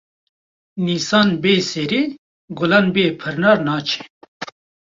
Nîsan bê serî, gulan bê pirnar naçe